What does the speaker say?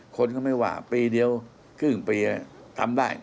คนก็ไม่ว่าปีเดียวครึ่งปีทำได้